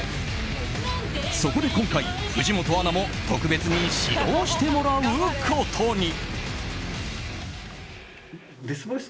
そこで今回、藤本アナも特別に指導してもらうことに。